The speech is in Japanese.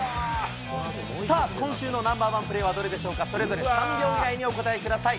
さあ、今週のナンバーワンプレーはどれでしょうか、それぞれ３秒内にお答えください。